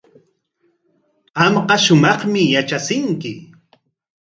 Qamqa shumaqmi yatrachinki.